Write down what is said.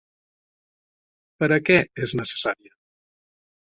Per a què és necessària?